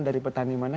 dari petani mana